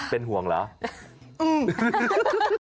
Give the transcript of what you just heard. เป็นห่วงแล้วอืมฮ่า